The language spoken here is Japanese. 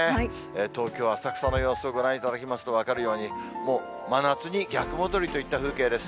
東京・浅草の様子をご覧いただきますと分かるように、もう真夏に逆戻りといった風景です。